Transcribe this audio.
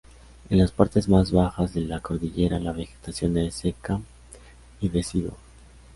En las partes más bajas de la cordillera la vegetación es seca y decidua.